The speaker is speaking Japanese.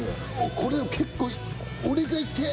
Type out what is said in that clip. これは結構。